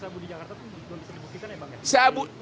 bukit tinggi itu di bukit tinggi